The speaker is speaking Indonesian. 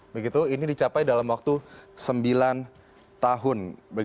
begitu ini dicapai dalam waktu sembilan tahun